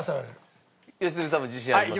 良純さんも自信あります？